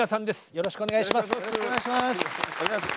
よろしくお願いします。